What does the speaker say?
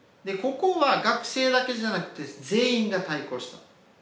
ここは学生だけじゃなくて全員が対抗した。